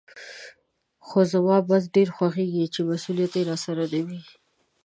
خو زما بس ډېر خوښېږي چې مسولیت راسره نه وي.